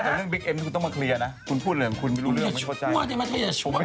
คุณพูดเหลืองคุณไม่รู้เรื่องไม่เข้าใจ